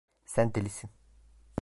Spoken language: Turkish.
Sen delisin.